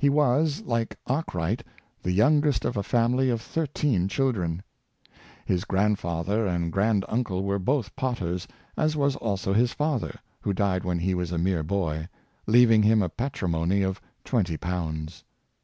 He was, like Arkwright, the youngest of a family of thir teen children. His grandfather and grand uncle were both potters, as was also his father, who died when he was a mere bo}", leaving him a patrimony of twenty pounds.